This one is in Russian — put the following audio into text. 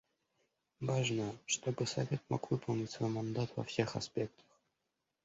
Важно, чтобы Совет мог выполнить свой мандат во всех аспектах.